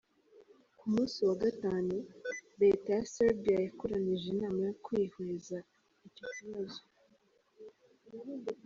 Ku munsi wa gatanu, Leta ya Serbia yakoranije inama yo kwihweza ico kibazo.